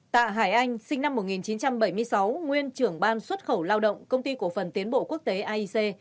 tạ hải anh sinh năm một nghìn chín trăm bảy mươi sáu nguyên trưởng ban xuất khẩu lao động công ty cổ phần tiến bộ quốc tế aic